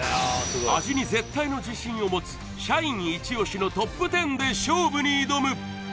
味に絶対の自信を持つ社員イチ押しのＴＯＰ１０で勝負に挑む！